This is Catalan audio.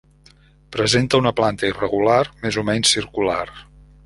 Presenta una planta irregular, més o menys circular.